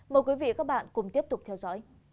mời quý vị và các bạn cùng tiếp tục theo dõi